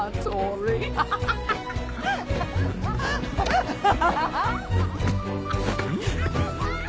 アハハハ！